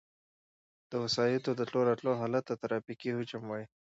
د وسایطو د تلو راتلو حالت ته ترافیکي حجم وایي